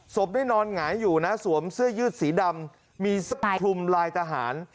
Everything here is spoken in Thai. ได้นอนหงายอยู่นะสวมเสื้อยืดสีดำมีคลุมลายทหาร